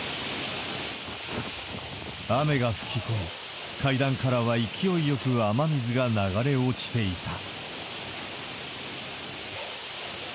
雨が吹き込み、階段からは勢いよく雨水が流れ落ちていた。